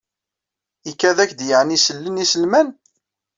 Ikad-ak-d yeɛni sellen iselman?